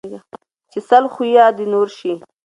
ـ چې سل خويه د نور شي